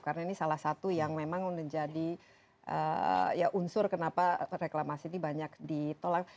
karena ini salah satu yang memang menjadi unsur kenapa reklamasi ini banyak ditolak